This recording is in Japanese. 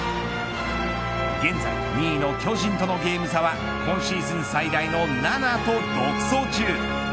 現在２位の巨人とのゲーム差は今シーズン最大の７と、独走中。